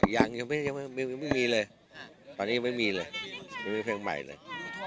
ยังไม่มีเลยตอนนี้ยังไม่มีเลยยังมีเพลงใหม่เลย